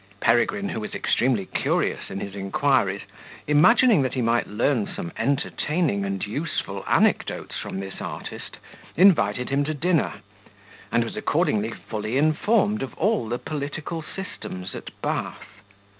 Peregrine, who was extremely curious in his inquiries, imagining that he might learn some entertaining and useful anecdotes from this artist, invited him to dinner, and was accordingly fully informed of all the political systems at Bath.